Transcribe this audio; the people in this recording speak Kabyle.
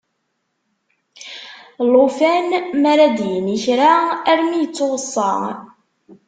Llufan mi ara d-yini kra armi ittuweṣṣa.